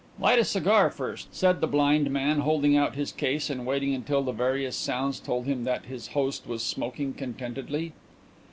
"Light a cigar first," said the blind man, holding out his case and waiting until the various sounds told him that his host was smoking contentedly.